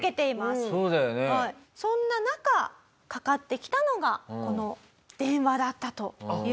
そんな中かかってきたのがこの電話だったという事なんですよね。